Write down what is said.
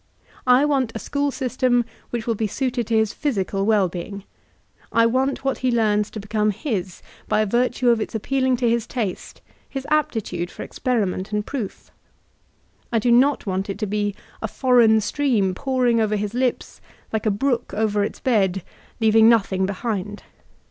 I want a school sys tem which will be suited to his physical well being. I want what he learns to become his, by virtue of its appeal ing to his taste, his aptitude for experiment and proof ; I do not want it to be a foreign stream pouring over his lips like a brook over its bed, leaving nothing behind.